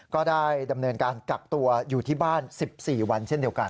ก็ได้ดำเนินการกักตัวอยู่ที่บ้าน๑๔วันเช่นเดียวกัน